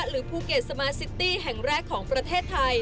หรือภูเก็ตสมาซิตี้แห่งแรกของประเทศไทย